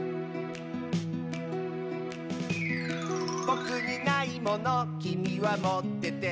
「ぼくにないものきみはもってて」